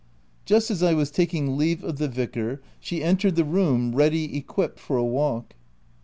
Just as I was taking leave of the vicar, she entered the room, ready equipped for a walk.